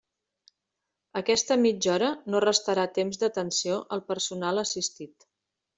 Aquesta mitja hora no restarà temps d'atenció al personal assistit.